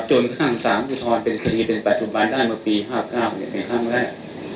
จนทั้งสาวทรเป็นคดีเป็นปัจจุบันได้มาปี๕๙เป็นครั้งแรก